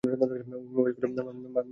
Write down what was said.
উমেশ কহিল, মা, তোমার সঙ্গে যাইব।